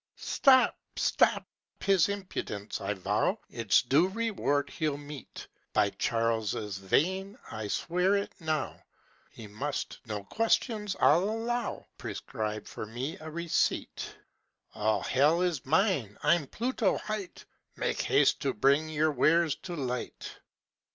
"Stop! stop! his impudence, I vow, Its due reward shall meet; By Charles's wain, I swear it now! He must no questions I'll allow, Prescribe me a receipt. All hell is mine, I'm Pluto hight! Make haste to bring your wares to light!"